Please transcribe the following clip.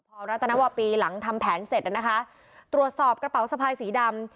พอรัตนวปีหลังทำแผนเสร็จนะคะตรวจสอบกระเป๋าสะพายสีดำ